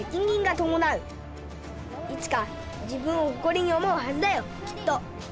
いつか自分をほこりに思うはずだよきっと。